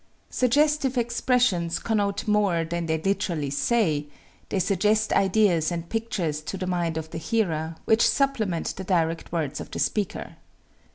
Suggestive expressions connote more than they literally say they suggest ideas and pictures to the mind of the hearer which supplement the direct words of the speaker.